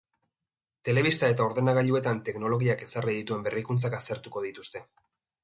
Telebista eta ordenagailuetan teknologiak ezarri dituen berrikuntzak aztertuko dituzte.